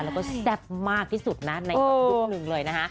แล้วก็แซ่บมากที่สุดนะในยุคหนึ่งเลยนะคะ